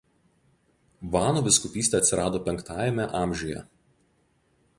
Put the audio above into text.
Vano vyskupystė atsirado V a.